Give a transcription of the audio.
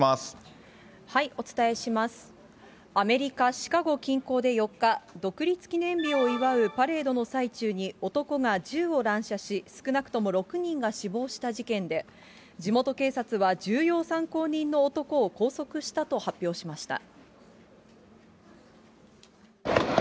アメリカ・シカゴ近郊で４日、独立記念日を祝うパレードの最中に男が銃を乱射し、少なくとも６人が死亡した事件で、地元警察は、重要参考人の男を拘束したと発表しました。